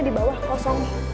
ini di bawah kosong